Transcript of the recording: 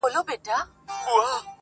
له دېوالونو یې رڼا پر ټوله ښار خپره ده.